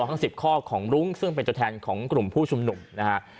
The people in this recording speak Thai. ทั้ง๑๐ข้อของรุ้งซึ่งเป็นตัวแทนของกลุ่มผู้ชุมนุมนะฮะ